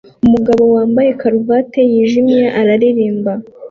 Umugabo wambaye karuvati yijimye araririmba